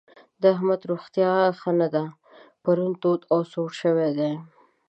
د احمد روغتيا ښه نه ده؛ پرون تود او سوړ شوی دی.